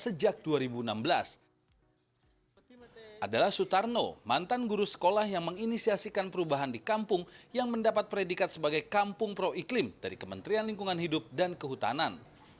sejak dua ribu enam belas adalah sutarno mantan guru sekolah yang menginisiasikan perubahan di kampung yang mendapat predikat sebagai kampung pro iklim dari kementerian lingkungan hidup dan kehutanan